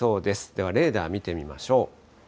ではレーダー見てみましょう。